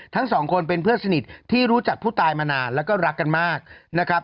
ทั้งสองคนเป็นเพื่อนสนิทที่รู้จักผู้ตายมานานแล้วก็รักกันมากนะครับ